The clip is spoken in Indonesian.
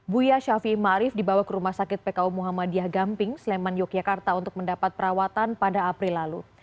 buya syafi ma'arif dibawa ke rumah sakit pku muhammadiyah gamping sleman yogyakarta untuk mendapat perawatan pada april lalu